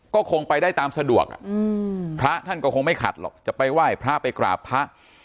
ก็คงไปได้ตามสะดวกพระท่านก็คงไม่ขัดหรอกจะไปไหว้พระไปกราบพระ